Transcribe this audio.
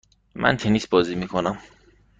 من تنیس بازی میکنم.